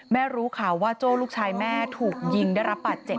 รู้ข่าวว่าโจ้ลูกชายแม่ถูกยิงได้รับบาดเจ็บ